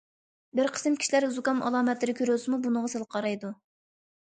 بىر قىسىم كىشىلەر زۇكام ئالامەتلىرى كۆرۈلسىمۇ، بۇنىڭغا سەل قارايدۇ.